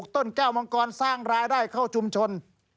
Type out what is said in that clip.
ต้นแก้วมังกรสร้างรายได้เข้าชุมชน